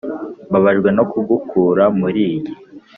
mbabajwe no kugukurura muriyi.